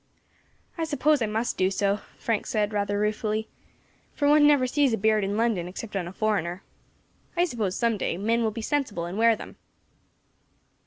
"I suppose I must do so," Frank said, rather ruefully, "for one never sees a beard in London, except on a foreigner. I suppose some day men will be sensible and wear them."